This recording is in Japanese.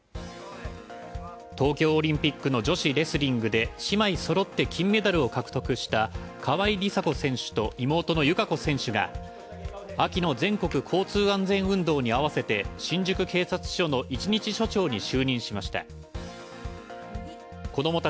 東京オリンピックの女子レスリングで姉妹そろって金メダルを獲得した川井梨紗子選手と妹の友香子選手が秋の全国交通安全運動に合わせて新宿警察署の一日社長に就任しました。